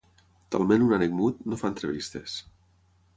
Talment un ànec mut, no fa entrevistes.